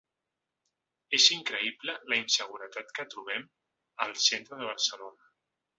És increïble la inseguretat que trobem al centre de Barcelona.